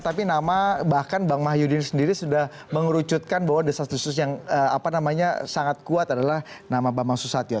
tapi nama bahkan bang mahyudin sendiri sudah mengerucutkan bahwa desa desa yang sangat kuat adalah nama bang mas susatyo